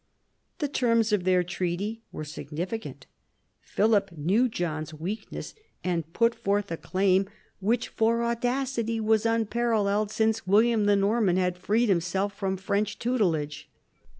The terms of their treaty were significant. Philip knew John's weakness, and put forth a claim which for 56 PHILIP AUGUSTUS chap. audacity was unparalleled since William the Norman had freed himself from French tutelage.